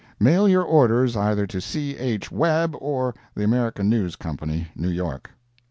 Mail your orders either to C. H. Webb or the American News Company, New York.